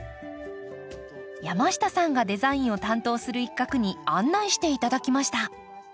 山下さんがデザインを担当する一画に案内して頂きました。